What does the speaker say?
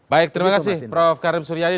baik terima kasih prof karim suryadi